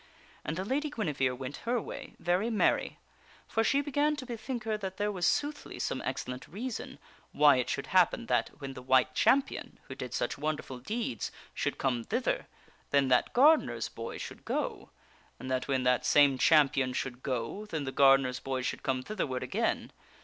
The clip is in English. And the Lady Guinevere went her way, very merry. For she began to be think her that there was soothly some excellent reason why it should hap pen that when the White Champion, who did such wonderful deeds, should come thither, then that gardener's boy should go ; and that when that same Champion should go, then the gardener's boy should come thither ward again.